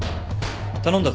頼んだぞ。